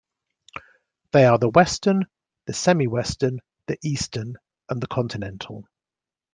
They are the "western", the "semi-western", the "eastern", and the "continental".